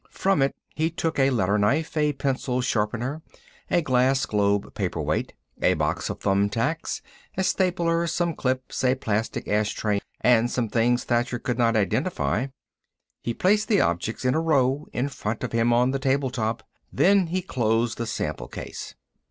From it he took a letter knife, a pencil sharpener, a glass globe paperweight, a box of thumb tacks, a stapler, some clips, a plastic ashtray, and some things Thacher could not identify. He placed the objects in a row in front of him on the table top. Then he closed the sample case.